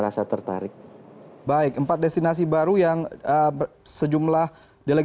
dan keempat adalah tanjung lesung